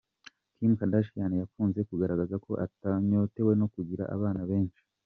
Kim Kardashian yakunze kugaragaza ko anyotewe no kugira abana benshi.